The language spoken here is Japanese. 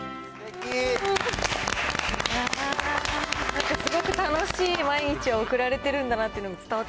なんかすごく楽しい毎日を送られてるんだなっていうのが伝わ